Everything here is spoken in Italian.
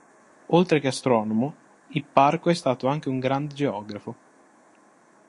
Oltre che astronomo, Ipparco è stato anche un grande geografo.